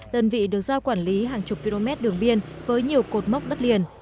đơn vị được giao quản lý hàng chục km đường biên với nhiều cột mốc đất liền